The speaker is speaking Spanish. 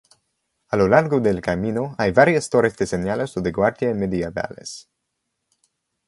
A lo largo del camino hay varias torres de señales o de guardia medievales.